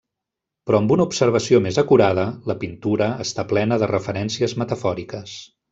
Però amb una observació més acurada, la pintura està plena de referències metafòriques.